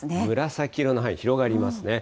紫色の範囲広がりますね。